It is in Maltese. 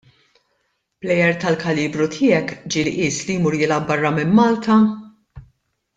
Plejer tal-kalibru tiegħek ġieli qies li jmur jilgħab barra minn Malta?